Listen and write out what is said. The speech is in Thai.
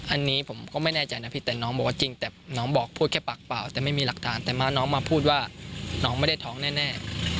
อันนี้ผมก็ไม่แน่ใจนะพี่แต่น้องบอกว่าจริงแต่น้องบอกพูดแค่ปากเปล่าแต่ไม่มีหลักฐานแต่มาน้องมาพูดว่าน้องไม่ได้ท้องแน่